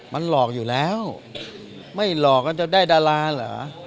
มันหลอกอยู่แล้วไม่หลอกกันจะได้ดาราเหรอ